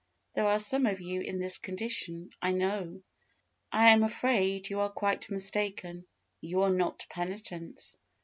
There are some of you in this condition, I know. I am afraid you are quite mistaken you are not penitents.